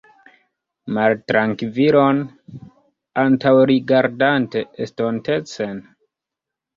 Maltrankvilon, antaŭrigardante estontecen?